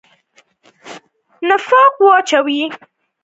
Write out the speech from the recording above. نفاق واچوي.